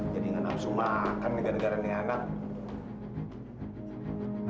jadi nggak nafsu makan nggak negara negara anak